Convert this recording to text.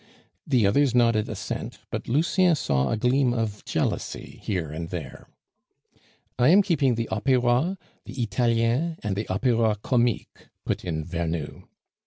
The others nodded assent, but Lucien saw a gleam of jealousy here and there. "I am keeping the Opera, the Italiens, and the Opera Comique," put in Vernou.